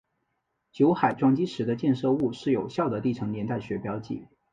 酒海撞击时的溅射物是有效的地层年代学标记。